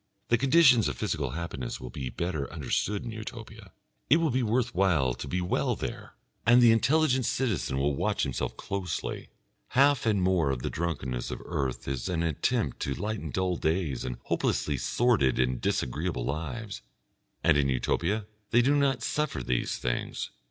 The conditions of physical happiness will be better understood in Utopia, it will be worth while to be well there, and the intelligent citizen will watch himself closely. Half and more of the drunkenness of earth is an attempt to lighten dull days and hopelessly sordid and disagreeable lives, and in Utopia they do not suffer these things.